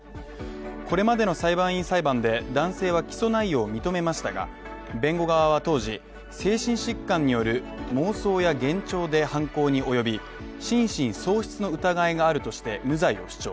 これまでの裁判員裁判で、男性は起訴内容を認めましたが、弁護側は当時精神疾患による妄想や幻聴で犯行におよび、心神喪失の疑いがあるとして無罪を主張。